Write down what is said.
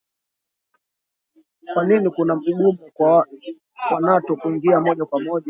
kwa nini kuna ugumu kwa nato kuingia moja kwa moja